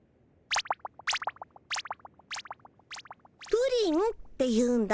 プリンっていうんだ。